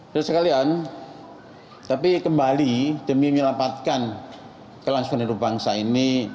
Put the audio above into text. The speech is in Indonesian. sudah sekalian tapi kembali demi menyelamatkan kelangsungan hidup bangsa ini